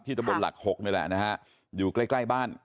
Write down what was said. ตะบนหลัก๖นี่แหละนะฮะอยู่ใกล้ใกล้บ้าน